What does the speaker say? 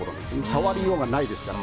触りようがないですから。